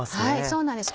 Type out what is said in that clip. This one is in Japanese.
そうなんです